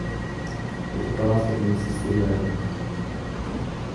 Je to pravá zdrojnice Studeného potoka.